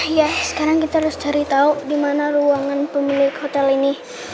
iya sekarang kita harus cari tahu di mana ruangan pemilik hotel ini